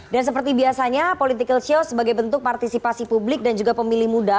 dan seperti biasanya political show sebagai bentuk partisipasi publik dan juga pemilih muda